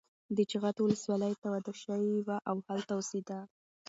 د جغتو ولسوالۍ ته واده شوې وه او هلته اوسېده.